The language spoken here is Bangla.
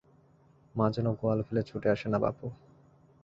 মা যেন গোয়াল ফেলে ছুটে আসে না বাপু।